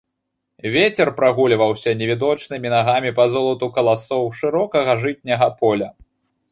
Вецер прагульваўся невідочнымі нагамі па золату каласоў шырокага жытняга поля.